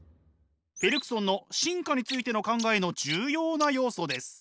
ベルクソンの進化についての考えの重要な要素です。